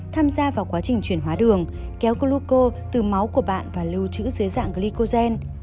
tham gia vào quá trình chuyển hóa đường kéo couco từ máu của bạn và lưu trữ dưới dạng glycogen